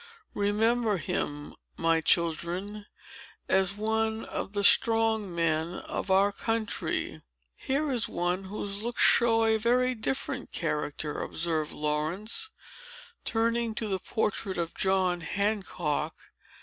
Remember him, my children, as one of the strong men of our country." "Here is one whose looks show a very different character," observed Laurence, turning to the portrait of John Hancock.